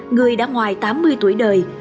người đã ngoài tám mươi tuổi đời